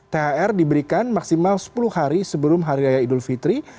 thr diberikan maksimal sepuluh hari sebelum hari raya idul fitri